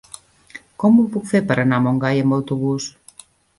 Com ho puc fer per anar a Montgai amb autobús?